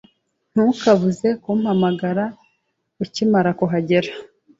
Ntukabuze kumpamagara ukimara kuhagera.